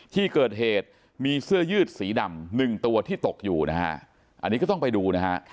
ที่เกิดเหตุมีเสื้อยืดสีดำ๑ตัวที่ตกอยู่นะฮะอันนี้ก็ต้องไปดูนะฮะ